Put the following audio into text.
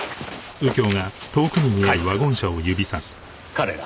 彼ら。